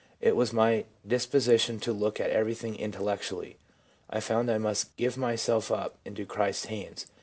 It was my disposition to look at everything intellectually. I found I must give myself up into Christ's hands.